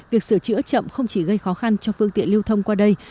việc sửa chữa chậm không chỉ gây khó khăn cho phương tiện lưu thông qua đây